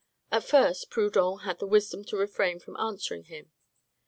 At first, Proudhon had the wisdom to refrain from answering him.